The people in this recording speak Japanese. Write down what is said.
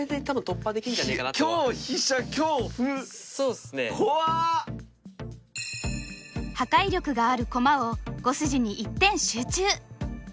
破壊力がある駒を５筋に一点集中！